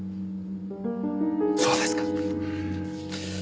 そうですか。